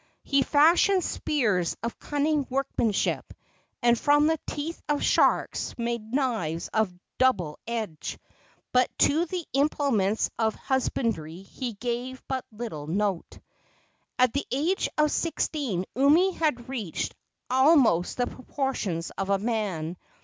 He fashioned spears of cunning workmanship, and from the teeth of sharks made knives of double edge, but to the implements of husbandry he gave but little note. At the age of sixteen Umi had reached almost the proportions of a man.